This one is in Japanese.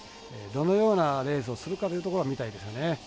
どのようなレースをするかというところが見たいですよね。